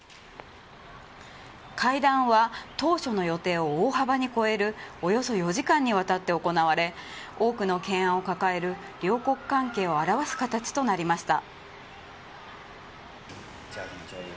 会談は当初の予定を大幅に超えるおよそ４時間にわたって行われ多くの懸案を抱える両国関係を表す形となりました。